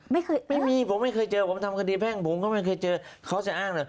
ไม่มีผมไม่เคยเจอผมทำคดีแพ่งผมก็ไม่เคยเจอเขาจะอ้างเลย